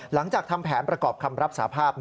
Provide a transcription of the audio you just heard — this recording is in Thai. หลังจากทำแผนประกอบคำรับสาภาพ